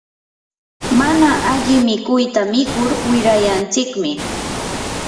mana alli mikuyta mikur wirayanchikmi.